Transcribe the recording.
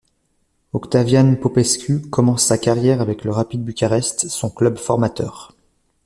Octavian Popescu commence sa carrière avec le Rapid Bucarest, son club formateur.